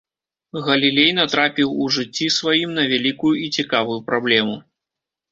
Галілей натрапіў у жыцці сваім на вялікую і цікавую праблему.